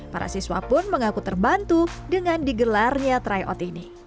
para siswa pun mengaku terbantu dengan digelarnya tryout ini